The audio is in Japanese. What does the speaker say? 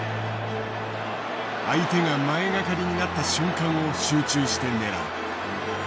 相手が前がかりになった瞬間を集中して狙う。